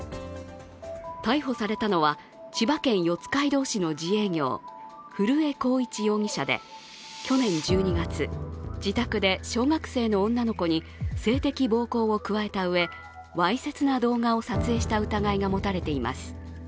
逮捕されたのは、千葉県四街道市の自営業古江幸一容疑者で去年１２月、自宅で小学生の女の子に性的暴行を加えたうえわいせつな動画を撮影した疑いが持たれています。